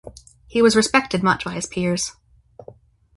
He was respected much by his peers.